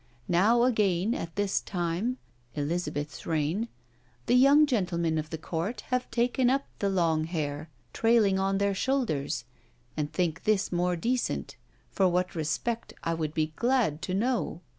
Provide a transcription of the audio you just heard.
Now again at this time (Elizabeth's reign), the young gentlemen of the court have taken up the long haire trayling on their shoulders, and think this more decent; for what respect I would be glad to know."